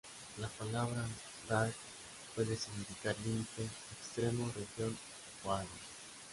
La palabra "kraj" puede significar límite, extremo, región o área.